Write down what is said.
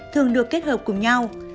thường được kết hợp cùng nhau